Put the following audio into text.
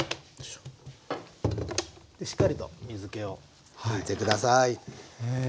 しっかりと水けを拭いて下さい。